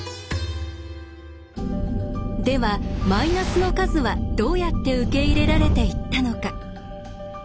ではマイナスの数はどうやって受け入れられていったのか。